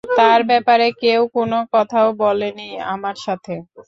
তার ব্যাপারে কেউ কোনো কথাও বলেনি আমার সাথে।